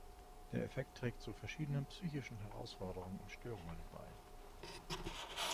Der Effekt trägt zu verschiedenen psychischen Herausforderungen und Störungen bei.